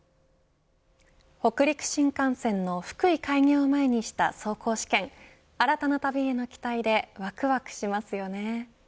北陸新幹線の福井開業を前にした走行試験新たな旅への期待でわくわくしますよね。